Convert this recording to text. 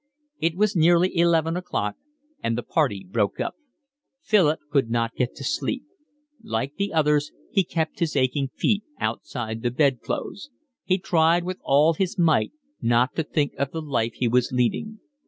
It was nearly eleven o'clock, and the party broke up. Philip could not get to sleep. Like the others he kept his aching feet outside the bed clothes. He tried with all his might not to think of the life he was leading.